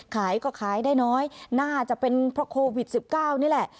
ขายก็ขายได้น้อยน่าจะเป็นเพราะโควิด๑๙นี่แหละ